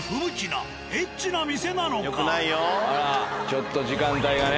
ちょっと時間帯がね。